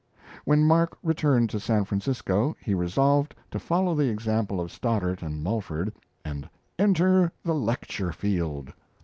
When Mark returned to San Francisco, he resolved to follow the example of Stoddard and Mulford, and "enter the lecture field."